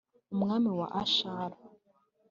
umwami wa Ashuru,